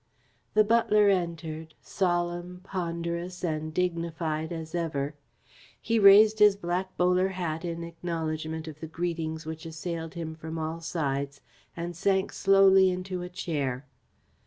The butler entered, solemn, ponderous and dignified as ever. He raised his black bowler hat in acknowledgment of the greetings which assailed him from all sides and sank slowly into a chair.